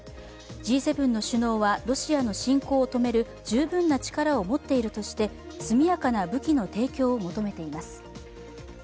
Ｇ７の首脳はロシアの侵攻を止める十分な力を持っているとして速やかな武器の提供を求めています。